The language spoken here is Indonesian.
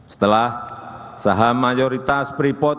setelah saham mayoritas freeport